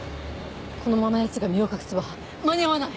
このままヤツが身を隠せば間に合わない。